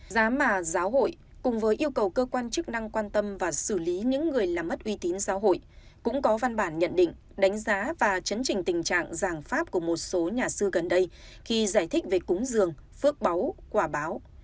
giá mà giáo hội cùng với yêu cầu cơ quan chức năng quan tâm và xử lý những người làm mất uy tín giáo hội cũng có văn bản nhận định đánh giá và chấn trình tình trạng giảng phát của một số nhà sư gần đây khi giải thích về cúng giường phước báu quả báo